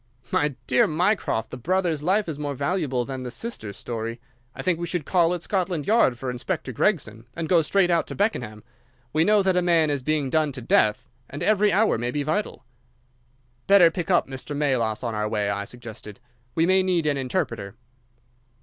"My dear Mycroft, the brother's life is more valuable than the sister's story. I think we should call at Scotland Yard for Inspector Gregson, and go straight out to Beckenham. We know that a man is being done to death, and every hour may be vital." "Better pick up Mr. Melas on our way," I suggested. "We may need an interpreter."